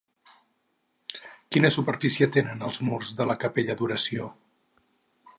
Quina superfície tenen els murs de la capella d'oració?